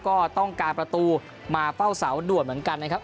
ก็ต้องการประตูมาเฝ้าเสาด่วนเหมือนกันนะครับ